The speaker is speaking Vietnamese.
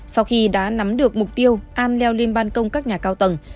sau khi đã nắm được mục tiêu am leo lên ban công các nhà cao tầng